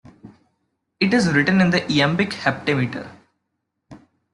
It is written in the iambic heptameter.